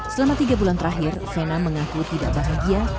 selama tiga bulan terakhir vena mengaku tidak bahagia